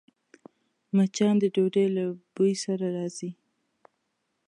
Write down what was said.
مچان د ډوډۍ له بوی سره راځي